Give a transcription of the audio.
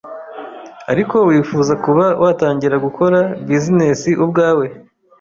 ariko wifuza kuba watangira gukora business ubwawe,